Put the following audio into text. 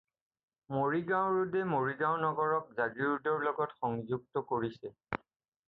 মৰিগাঁও ৰোডে মৰিগাঁও নগৰক জাগীৰোডৰ লগত সংযুক্ত কৰিছে।